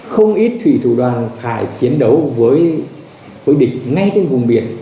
không ít thủy thủ đoàn phải chiến đấu với địch ngay trên vùng biển